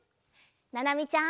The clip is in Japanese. ななみちゃん。